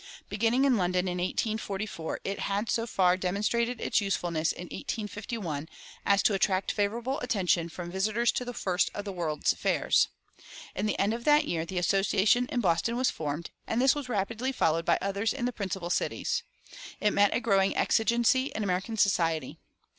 Beginning in London in 1844, it had so far demonstrated its usefulness in 1851 as to attract favorable attention from visitors to the first of the World's Fairs. In the end of that year the Association in Boston was formed, and this was rapidly followed by others in the principal cities. It met a growing exigency in American society.